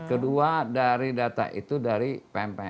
kedua dari data itu dari pmp